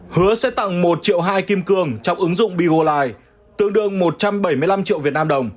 hứa sẽ tặng một triệu hai kim cương trong ứng dụng begolai tương đương một trăm bảy mươi năm triệu việt nam đồng